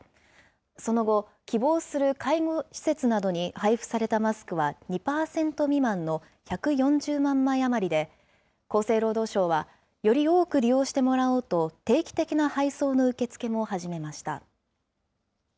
その後、希望する介護施設などに配布されたマスクは、２％未満の１４０万枚余りで、厚生労働省は、より多く利用してもらおうと、定期的な配送の受け付けも始めました。